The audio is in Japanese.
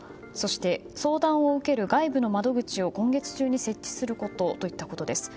そして、相談を受ける外部の窓口を今月中に設置することといったことです。